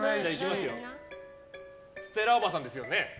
ステラおばさんですよね？